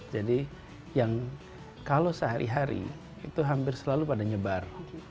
jadi yang kalau sehari hari itu hampir selalu pada nyebar